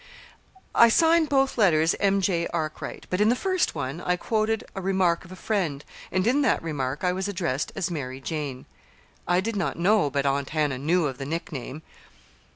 "I signed both letters 'M. J. Arkwright,' but in the first one I quoted a remark of a friend, and in that remark I was addressed as 'Mary Jane.' I did not know but Aunt Hannah knew of the nickname."